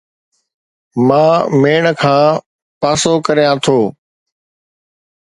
مان ميڙ کان پاسو ڪريان ٿو